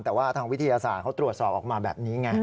แต่ว่าทางวิทยาศาสตร์เขาตรวจสอบออกมาแบบนี้ไง